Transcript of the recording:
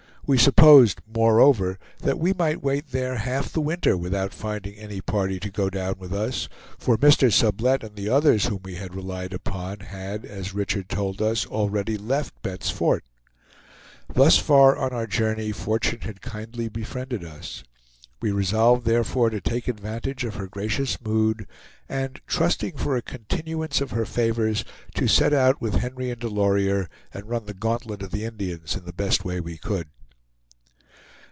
We supposed, moreover, that we might wait there half the winter without finding any party to go down with us; for Mr. Sublette and the others whom we had relied upon had, as Richard told us, already left Bent's Fort. Thus far on our journey Fortune had kindly befriended us. We resolved therefore to take advantage of her gracious mood and trusting for a continuance of her favors, to set out with Henry and Delorier, and run the gauntlet of the Indians in the best way we could.